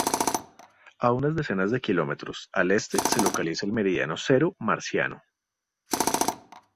A unas decenas de kilómetros al este se localiza el meridiano cero Marciano.